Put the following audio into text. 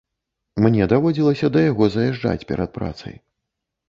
Мне даводзілася па яго заязджаць перад працай.